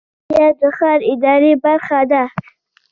ناحیه د ښار اداري برخه ده